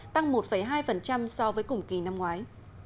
tăng một hai so với cùng kỳ năm ngoái